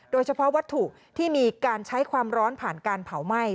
โดยเฉพาะวัตถุที่มีการใช้ความร้อนผ่านการเผาไหม้